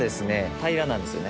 平らなんですよね。